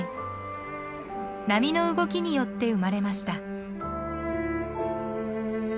波の動きによって生まれました。